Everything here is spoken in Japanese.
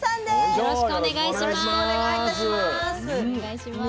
よろしくお願いします。